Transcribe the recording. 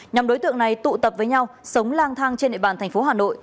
nhóm đối tượng này tụ tập với nhau sống lang thang trên địa bàn thành phố hà nội